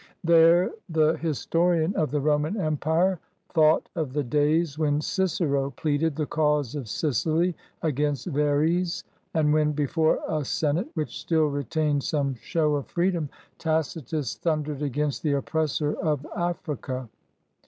There the historian of the Roman Empire thought of the days when Cicero pleaded the cause of Sicily against Verres, and when, before a senate which still retained some show of freedom, Tacitus thundered against the oppressor of Africa.